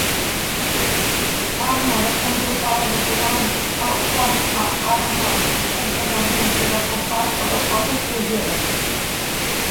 Arma desenvolupada durant el com a arma d'entrenament per a combat amb espases lleugeres.